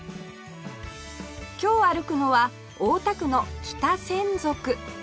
今日歩くのは大田区の北千束